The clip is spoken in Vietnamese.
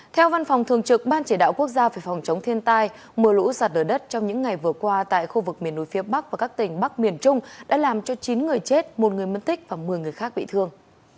theo văn phòng thường trực ban chỉ đạo quốc gia về phòng chống thiên tai mưa lũ sạt lở đất trong những ngày vừa qua tại khu vực miền núi phía bắc và các tỉnh bắc miền trung đã làm cho chín người chết một người mất tích và một mươi người khác bị thương